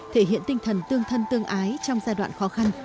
thể hiện tinh thần tương thân tương ái trong giai đoạn khó khăn